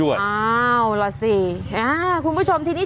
วันนี้จะเป็นวันนี้